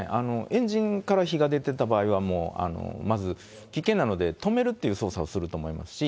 エンジンから火が出てた場合は、もうまず危険なので、止めるという操作をすると思いますし。